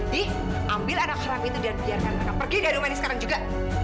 di ambil anak haram itu dan biarkan mereka pergi dari rumah ini sekarang juga